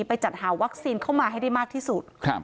ไปจัดหาวัคซีนเข้ามาให้ได้มากที่สุด